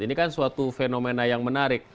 ini kan suatu fenomena yang menarik